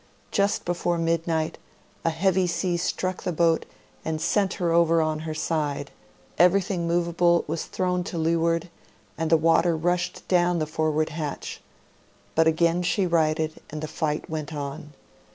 Just before midnight a heavy sea struck the boat and sent her over on her side; everything movable was ti vown to leeward, and the water rushed down the forward hatch. But again she righted, and the fight went on.